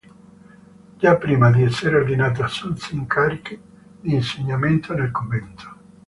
Già prima di essere ordinato assunse incarichi di insegnamento nel convento.